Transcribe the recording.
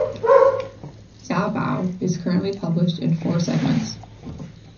"Zaobao" is currently published in four segments.